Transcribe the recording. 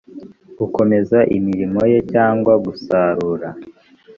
gukomeza imirimo ye cyangwa gusarura